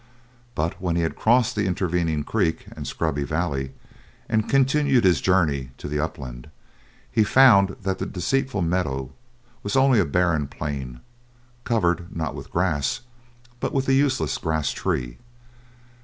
But when he had crossed the intervening creek and scrubby valley, and continued his journey to the up land, he found that the deceitful meadow was only a barren plain, covered, not with grass, but with the useless grass tree.